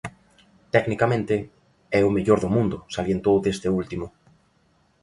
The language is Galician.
"Tecnicamente é o mellor do mundo", salientou deste último.